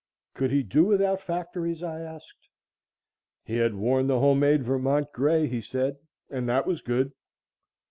Could he do without factories? I asked. He had worn the home made Vermont gray, he said, and that was good.